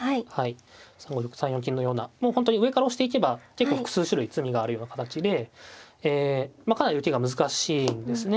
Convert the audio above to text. ３五玉３四金のようなもう本当に上から押していけば結構複数種類詰みがあるような形でかなり受けが難しいんですね。